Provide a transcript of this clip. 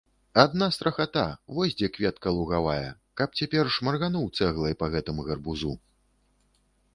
Адна страхата, вось дзе кветка лугавая, каб цяпер шмаргануў цэглай па гэтым гарбузу.